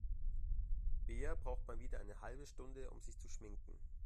Bea braucht mal wieder eine halbe Stunde, um sich zu schminken.